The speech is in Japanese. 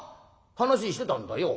話してたんだよ。